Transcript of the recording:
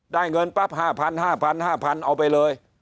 ได้เงินปั๊บห้าพันห้าพันห้าพันเอาไปเลย